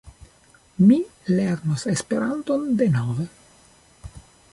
Mi lernos Esperanton denove.